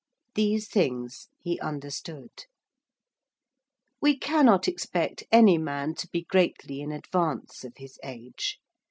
These things he understood. We cannot expect any man to be greatly in advance of his age.